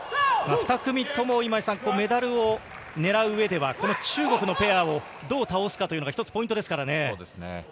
２組ともメダルをねらう上ではこの中国のペアをどう倒すかというのが１つポイントですからね。